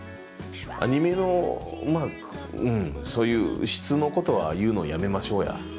アニメのまあそういう質のことは言うのをやめましょうや。